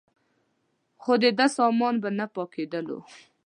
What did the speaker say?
خو دده سامان به نه پاکېدلو.